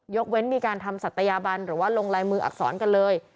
เว้นมีการทำศัตยาบันหรือว่าลงลายมืออักษรกันเลย